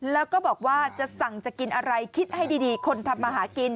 แล้วก็บอกว่าจะสั่งจะกินอะไรคิดให้ดีคนทำมาหากิน